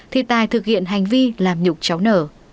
thì tài thực hiện hành vi làm nhục cháu nở